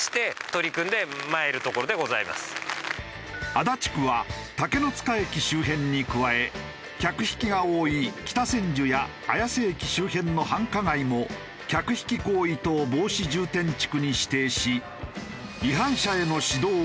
足立区は竹ノ塚駅周辺に加え客引きが多い北千住や綾瀬駅周辺の繁華街も客引き行為等防止重点地区に指定し。